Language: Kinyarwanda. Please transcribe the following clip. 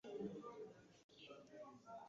Maze iminsi nywushakira umuvuno